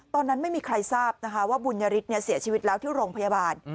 ตอนนั้นไม่มีใครทราบนะคะว่าบุญยฤทธิ์เสียชีวิตแล้วที่โรงพยาบาล